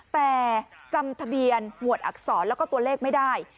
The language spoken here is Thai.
แต่จำทะเบียนหมวดอักษรแล้วก็ตัวเลขไม่ได้